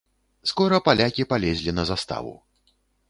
Скора палякі палезлі на заставу.